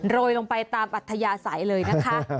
โรยลงไปตามอัธยาศัยเลยนะคะ